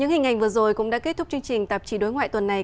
những hình ảnh vừa rồi cũng đã kết thúc chương trình tạp chí đối ngoại tuần này